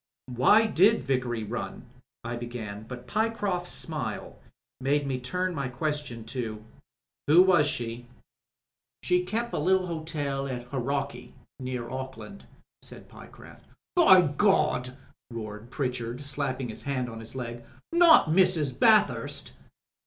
"Why did Vickery run," I began, but Pyecroft's smile made me turn my question to "Who was she?" "She kep' a little hotel at Hauraki — ^near Auckland," said Pyecroft. "By Gawd I" roared Pritchard, slapping his hand on his leg. " Not Mrs. Bathurst